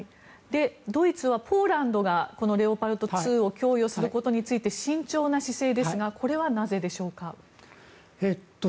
ドイツはポーランドがこのレオパルト２を供与することについて慎重な姿勢ですがこれはなぜでしょうか。